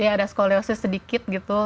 ya ada skoliosis sedikit gitu